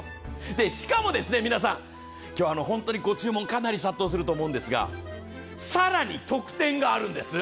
しかも今日本当にご注文かなり殺到すると思うんですが更に特典があるんです。